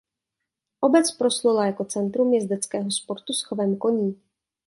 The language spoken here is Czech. Obec proslula jako centrum jezdeckého sportu s chovem koní.